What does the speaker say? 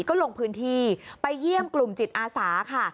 ก็ลงพื้นที่ไปเยี่ยมกลุ่มจิตอาสาค่ะ